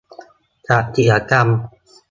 จัดกิจกรรม